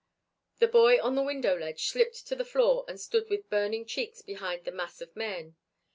The boy on the window ledge slipped to the floor and stood with burning cheeks behind the mass of men.